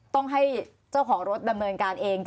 ต้องให้เจ้าของรถดำเนินการเอง